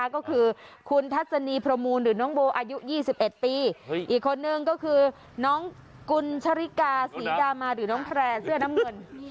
ก็คือคุณทัศนีประมูลหรือน้องโบอายุ๒๑ปีอีกคนนึงก็คือน้องกุญชริกาศรีดามาหรือน้องแพร่เสื้อน้ำเงิน